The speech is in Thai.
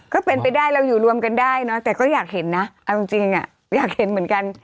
ก็เป็นไปได้เราอยู่รวมกันได้เนอะแต่ก็อยากเห็นนะเอาจริงอยากเห็นเหมือนกัน